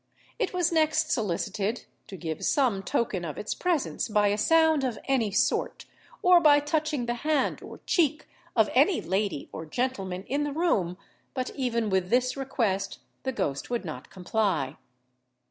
It was next solicited to give some token of its presence by a sound of any sort, or by touching the hand or cheek of any lady or gentleman in the room; but even with this request the ghost would not comply.